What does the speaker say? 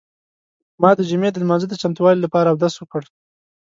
ما د جمعې د لمانځه د چمتووالي لپاره اودس وکړ.